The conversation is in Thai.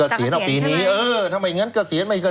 เสียดายอะไรครับ